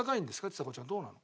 ちさ子ちゃんどうなの？